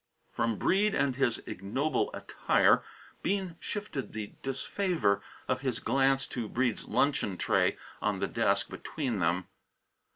From Breede and his ignoble attire Bean shifted the disfavour of his glance to Breede's luncheon tray on the desk between them.